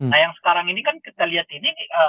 nah yang sekarang ini kan kita lihat ini